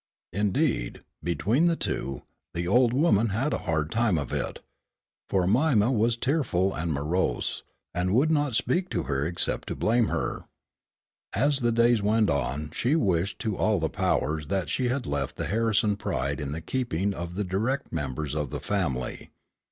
Indeed, between the two, the old woman had a hard time of it, for Mima was tearful and morose, and would not speak to her except to blame her. As the days went on she wished to all the powers that she had left the Harrison pride in the keeping of the direct members of the family.